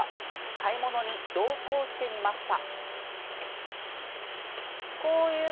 買い物に同行してみました。